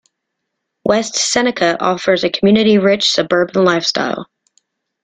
West Seneca offers a community-rich suburban lifestyle.